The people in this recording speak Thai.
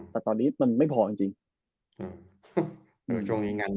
แต่ตอนนี้มันไม่พอจริง